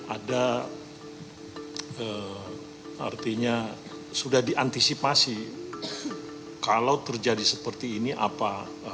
ada artinya sudah diantisipasi kalau terjadi seperti ini apa